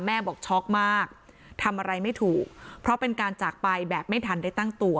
บอกช็อกมากทำอะไรไม่ถูกเพราะเป็นการจากไปแบบไม่ทันได้ตั้งตัว